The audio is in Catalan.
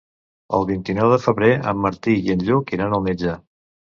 El vint-i-nou de febrer en Martí i en Lluc iran al metge.